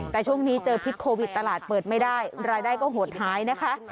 แต่ช่วงนี้เจอพิษโควิดตลาดเปิดไม่ได้รายได้ก็หดหายนะคะ